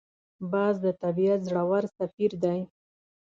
باز د طبیعت زړور سفیر دی